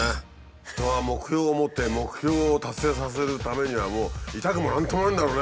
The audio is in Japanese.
人が目標を持って目標を達成させるためには痛くも何ともないんだろうね。